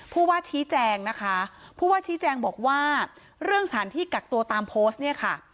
ผู้ว่าชี้แจงนะคะผู้ว่าชี้แจงบอกว่าเรื่องสถานที่กักตัวตามโพสต์เนี่ยค่ะ